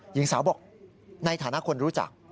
หญิงสาวบอกในฐานะคนรู้จัก